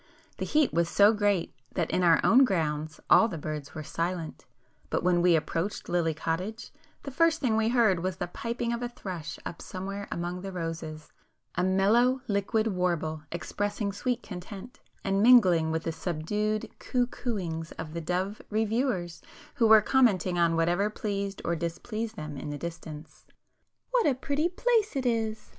The heat was so great that in our own grounds all the birds were silent, but when we approached Lily Cottage the first thing we heard was the piping of a thrush up somewhere among the roses,—a mellow liquid warble expressing 'sweet content,' and mingling with the subdued coo cooings of the dove 'reviewers' who were commenting on whatever pleased or displeased them in the distance. "What a pretty place it is!"